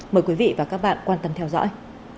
mời quý vị và các bạn quan tâm theo dõi